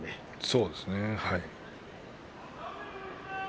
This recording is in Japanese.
そうですね。